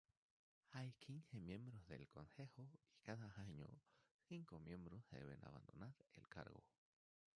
Hay quince miembros del Consejo y cada año cinco miembros deben abandonar el cargo.